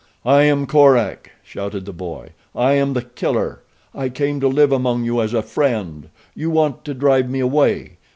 "I am Korak!" shouted the boy. "I am the Killer. I came to live among you as a friend. You want to drive me away.